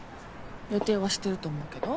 予定はしてると思うけど。